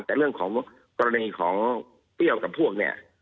แต่เรื่องของกรณีของเปรี้ยวกับพวกเนี่ย